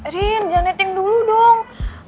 rin janeting dulu dong